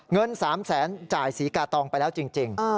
เงิน๓แสนจ่ายศรีกาตองไปแล้วจริง